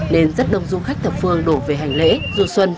nên rất đông du khách thập phương đổ về hành lễ du xuân